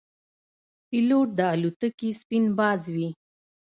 پیلوټ د الوتکې سپین باز وي.